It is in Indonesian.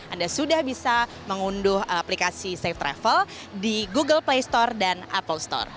anda sudah bisa mengunduh aplikasi safe travel di google play store dan apple store